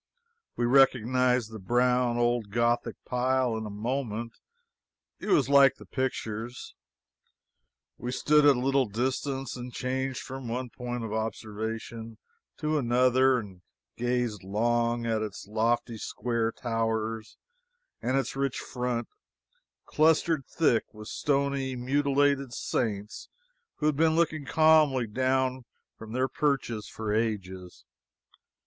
We recognized the brown old Gothic pile in a moment; it was like the pictures. We stood at a little distance and changed from one point of observation to another and gazed long at its lofty square towers and its rich front, clustered thick with stony, mutilated saints who had been looking calmly down from their perches for ages.